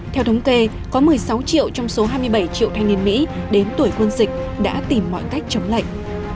theo thống kê có một mươi sáu triệu trong số hai mươi bảy triệu thanh niên mỹ đến tuổi quân dịch đã tìm mọi cách chống lệnh